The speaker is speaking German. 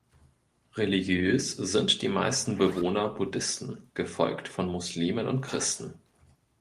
Religiös sind die meisten Bewohner Buddhisten, gefolgt von Muslimen und Christen.